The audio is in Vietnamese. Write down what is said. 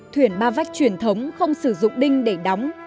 thuyền ba vách truyền thống không sử dụng đinh để đóng